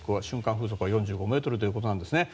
風速は４５メートルということなんですね。